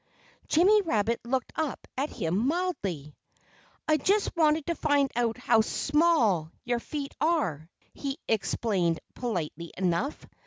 Jimmy Rabbit looked up at him mildly. "I just wanted to find out how small your feet are," he explained politely enough.